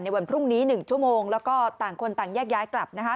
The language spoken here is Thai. วันพรุ่งนี้๑ชั่วโมงแล้วก็ต่างคนต่างแยกย้ายกลับนะคะ